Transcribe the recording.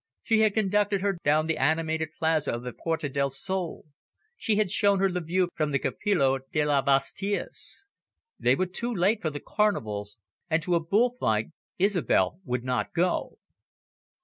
She had conducted her down the animated plaza of the Puerta del Sol. She had shown her the view from the Campillo de las Vistillas. They were too late for the Carnivals, and to a bull fight Isobel would not go.